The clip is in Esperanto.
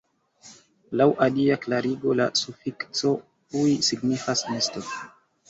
Laŭ alia klarigo la sufikso -uj- signifas "nesto".